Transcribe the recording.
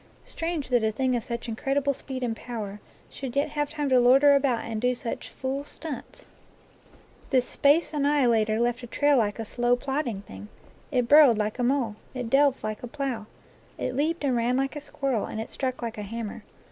Strange that a thing of such incredible speed and power should yet have time to loiter about and do such " fool stunts "! This space annihilator left a trail like a slow, plodding thing. It burrowed like a mole, it delved like a plough, it leaped and ran like a squirrel, and it struck like a hammer.